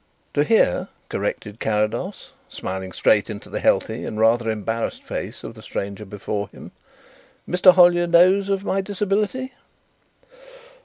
"To hear," corrected Carrados, smiling straight into the healthy and rather embarrassed face of the stranger before him. "Mr. Hollyer knows of my disability?"